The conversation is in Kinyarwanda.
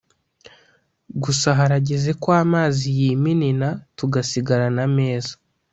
gusa harageze ko amazi y'iminina tugasigarana ameza